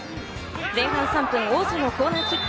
前半３分、大津のコーナーキック。